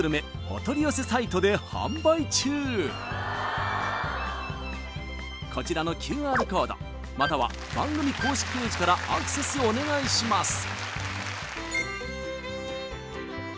お取り寄せサイトで販売中こちらのＱＲコードまたは番組公式ページからアクセスお願いします